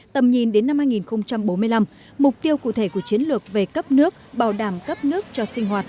tầm nhìn đến năm hai nghìn bốn mươi năm mục tiêu cụ thể của chiến lược về cấp nước bảo đảm cấp nước cho sinh hoạt